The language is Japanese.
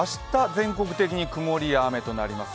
全国的に曇りや雨となります。